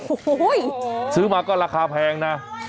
โอ้โหซื้อมาก็ราคาแพงนะ